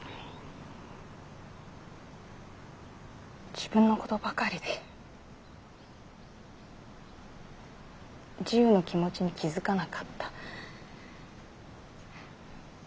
自分のことばかりでジウの気持ちに気付かなかった。